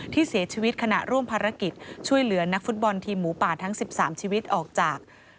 ที่เสียชีวิตขณะร่วมภารกิจช่วยเหลือนักฟุตบอลทีมหมูป่าทั้ง๑๓ชีวิตออกจาก